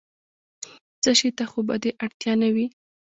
څه شي ته خو به دې اړتیا نه وي؟